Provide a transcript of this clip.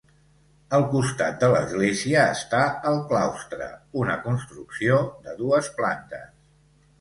Al costat de l'església està el claustre, una construcció de dues plantes.